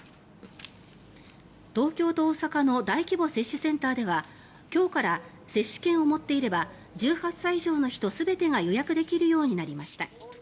東京と大阪の大規模接種センターでは今日から接種券を持っていれば１８歳以上の人全てが予約できるようになりました。